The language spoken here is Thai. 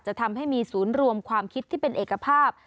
จะทำให้มีศูนย์รวมความคิดที่เป็นเอกภาพ